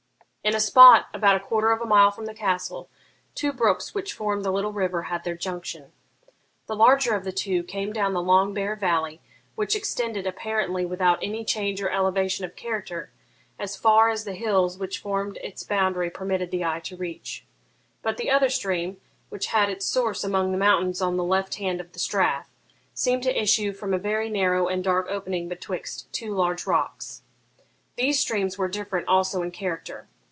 In a spot, about a quarter of a mile from the castle, two brooks, which formed the little river, had their junction. The larger of the two came down the long bare valley, which extended, apparently without any change or elevation of character, as far as the hills which formed its boundary permitted the eye to reach. But the other stream, which had its source among the mountains on the left hand of the strath, seemed to issue from a very narrow and dark opening betwixt two large rocks. These streams were different also in character.